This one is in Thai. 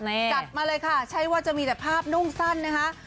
จัดมาเลยค่ะใช่ว่าจะมีแต่ภาพนุ่งสั้นนะคะ